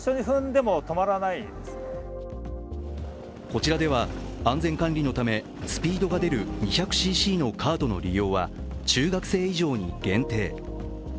こちらでは安全管理のため、スピードが出る２００ｃｃのカートの利用は中学生以上に限定。